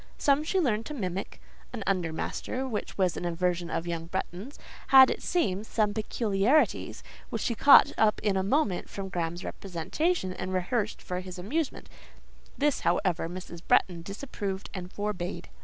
Some she learned to mimic: an under master, who was an aversion of young Bretton's, had, it seems, some peculiarities, which she caught up in a moment from Graham's representation, and rehearsed for his amusement; this, however, Mrs. Bretton disapproved and forbade.